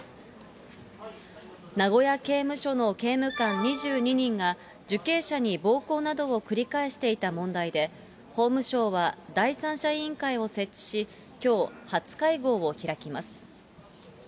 名古屋刑務所の刑務官２２人が、受刑者に暴行などを繰り返していた問題で、法務省は第三者委員会を設置し、きょう、初会合を開きます。